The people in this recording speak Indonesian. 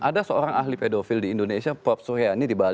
ada seorang ahli pedofil di indonesia